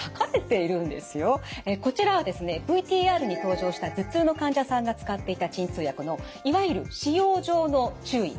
こちらはですねＶＴＲに登場した頭痛の患者さんが使っていた鎮痛薬のいわゆる「使用上の注意」